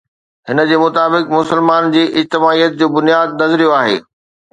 هن جي مطابق، مسلمان جي اجتماعيت جو بنياد نظريو آهي.